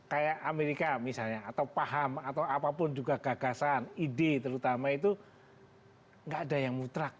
kayak amerika misalnya atau paham atau apapun juga gagasan ide terutama itu gak ada yang mutlak